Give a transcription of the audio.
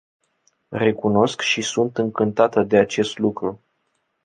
Recunosc și sunt încântată de acest lucru.